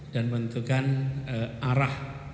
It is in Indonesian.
dan menentukan arah